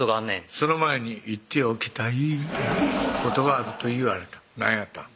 「その前に言っておきたいことがある」と言われた何やったん？